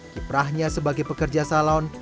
kiprahnya sebagai pekerja salon